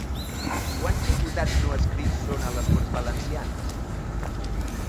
Quants diputats no adscrits són a les Corts Valencianes?